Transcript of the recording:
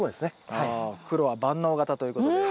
ああ黒は万能型ということで。